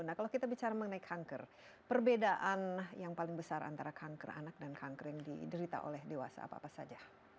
nah kalau kita bicara mengenai kanker perbedaan yang paling besar antara kanker anak dan kanker yang diderita oleh dewasa apa apa saja